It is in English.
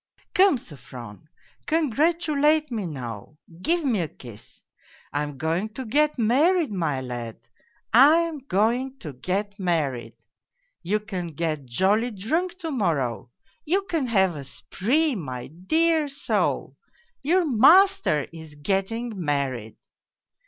' Come, Sofron, congratulate me now, give me a kiss ! I am going to get married, my lad, I am going to get married. You can get jolly drunk to morrow, you can have a spree, my dear soul your master is getting married.'